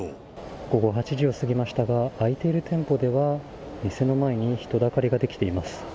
午後８時を過ぎましたが、開いている店舗では、店の前に人だかりが出来ています。